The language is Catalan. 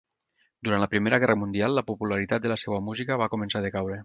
Durant la Primera Guerra Mundial la popularitat de la seua música va començar a decaure.